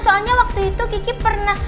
soalnya waktu itu kiki pernah